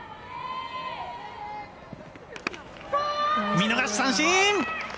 見逃し三振。